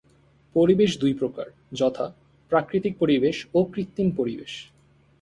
পরিবেশ দুই প্রকার, যথাঃ প্রাকৃতিক পরিবেশ ও কৃত্রিম পরিবেশ।